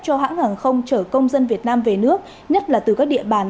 cho hãng hàng không chở công dân việt nam về nước nhất là từ các địa bàn